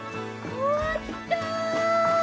終わった。